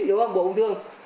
đúng không bộ nông thương